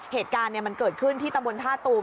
เหตุการณ์มันเกิดขึ้นที่ตำบลท่าตูม